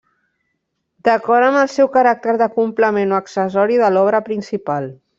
D’acord amb el seu caràcter de complement o accessori de l’obra principal.